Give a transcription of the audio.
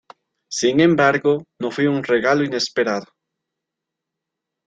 Sin embargo, no fue un regalo inesperado.